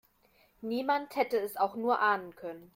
Niemand hätte es auch nur ahnen können.